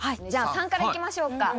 じゃあ、３からいきましょうか。